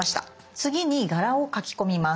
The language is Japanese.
次に柄を描き込みます。